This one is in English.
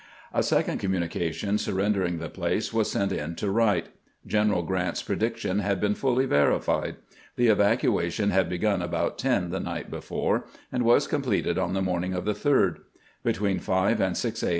A second communication surren dering the place was sent in to "Wright. General Grrant's prediction had been fuUy verified. The evacuation had begun about ten the night before, and was completed on the morning of the 3d. Between 5 and 6 a.